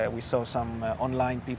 kita melihat beberapa orang online